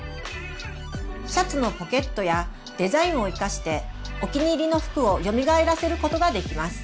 シャツのポケットやデザインを生かしてお気に入りの服をよみがえらせることができます。